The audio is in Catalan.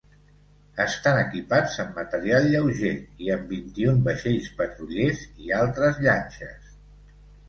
Estan equipats amb material lleuger i amb vint-i-un vaixells patrullers i altres llanxes.